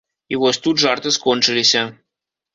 І вось тут жарты скончыліся.